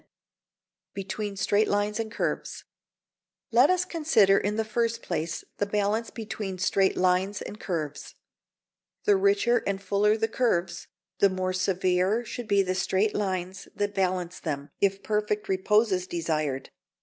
[Sidenote: Between Straight Lines and Curves] Let us consider in the first place the balance between straight lines and curves. The richer and fuller the curves, the more severe should be the straight lines that balance them, if perfect repose is desired.